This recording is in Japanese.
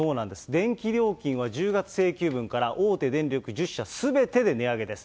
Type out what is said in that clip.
電気料金は１０月請求分から大手電力１０社すべてで値上げです。